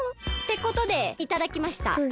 ってことでいただきました。